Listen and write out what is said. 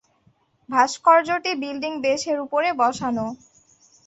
ভাস্কর্যটি বিল্ডিং বেসের উপরে বসানো।